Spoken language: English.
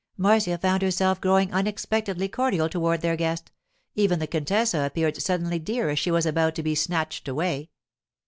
Marcia found herself growing unexpectedly cordial toward their guest; even the contessa appeared suddenly dear as she was about to be snatched away.